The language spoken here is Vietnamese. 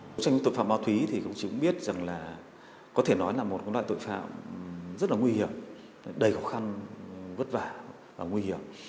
trong những tội phạm ma túy thì chúng biết rằng là có thể nói là một loại tội phạm rất là nguy hiểm đầy khó khăn vất vả và nguy hiểm